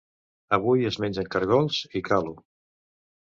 Avui es menjen cargols i calo